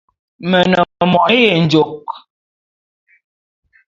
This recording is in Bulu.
Me ne mone yenjôk.